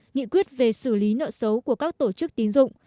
nghị quyết về xử lý nợ xấu của các tổ chức tín dụng